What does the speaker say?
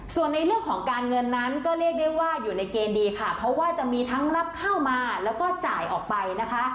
ส่วนในเรื่องของการเงินนั้นก็เรียกได้ว่าอยู่ในเกณฑ์ดีค่ะเพราะว่าจะมีทั้งรับเข้ามาแล้วก็จ่ายออกไปนะคะ